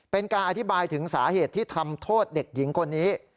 เป็นการอธิบายถึงสาเหตุที่ทำโทษเด็กหญิงคนนี้